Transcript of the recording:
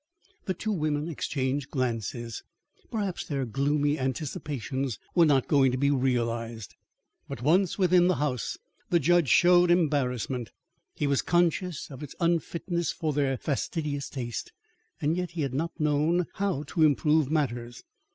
The two women exchanged glances. Perhaps their gloomy anticipations were not going to be realised. But once within the house, the judge showed embarrassment. He was conscious of its unfitness for their fastidious taste and yet he had not known how to improve matters.